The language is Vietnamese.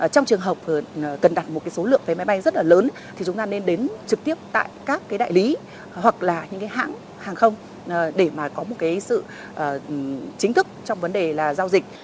trong trường hợp cần đặt một cái số lượng vé máy bay rất là lớn thì chúng ta nên đến trực tiếp tại các cái đại lý hoặc là những cái hãng hàng không để mà có một cái sự chính thức trong vấn đề là giao dịch